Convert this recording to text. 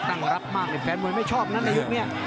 ต้อนรับมากให้แฟนมุยไม่ชอบนั้นในยุคนี้